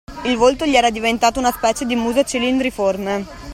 Il volto gli era diventato una specie di muso cilindriforme.